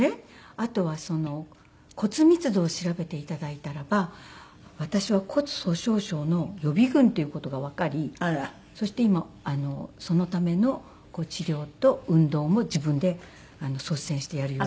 あとは骨密度を調べて頂いたらば私は骨粗鬆症の予備軍っていう事がわかりそして今そのための治療と運動も自分で率先してやるように。